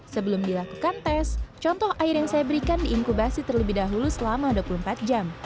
sebelum dilakukan tes contoh air yang saya berikan diinkubasi terlebih dahulu selama dua puluh empat jam